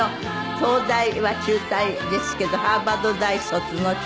東大は中退ですけどハーバード大卒の超インテリ。